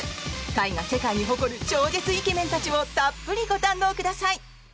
タイが世界に誇る超絶イケメンたちをたっぷりご堪能ください。